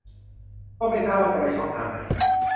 ก็ไม่ทราบว่าจะไปช่องทางไหน